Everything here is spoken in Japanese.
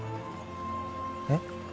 えっ？